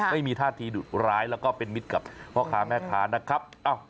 ไม่มีท่าทีดุร้ายแล้วก็เป็นมิตรกับพ่อค้าแม่ค้านะครับ